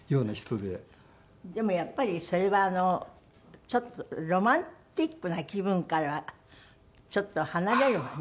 でもやっぱりそれはロマンチックな気分からはちょっと離れるわね。